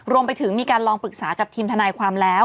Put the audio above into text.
รวมไปถึงมีการลองปรึกษากับทีมทนายความแล้ว